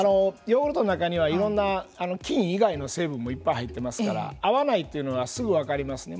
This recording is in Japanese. ヨーグルトの中にはいろんな菌以外の成分もいっぱい入っていますから合わないというのはすぐ分かりますね。